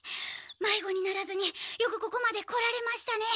迷子にならずによくここまで来られましたね！